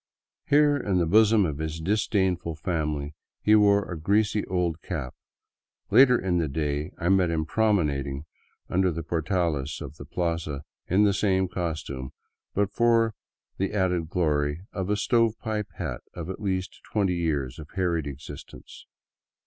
Here, in the bosom of his disdainful family, he wore a greasy old cap ; later in the day I met him promenading under the portales of the plaza in the same costume, but for the added glory of a " stove pipe " hat of at least twenty years of harried existence.